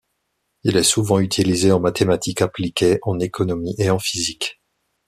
Il est souvent utilisé en mathématique appliquée, en économie et en physique.